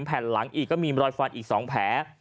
แผ่นหลังอีกก็มีรอยฟันอีก๒แผล